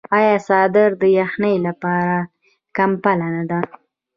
آیا څادر د یخنۍ لپاره کمپله نه ده؟